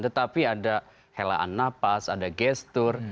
tetapi ada helaan napas ada gestur